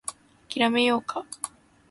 諦めようか